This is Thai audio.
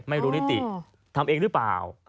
ไม่รู้นิติทำเองหรือเปล่า